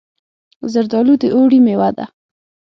زردالو د اوړي مېوه ده.